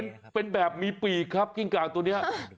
มันเป็นแบบมีปีกครับกิ้งกางตัวนี้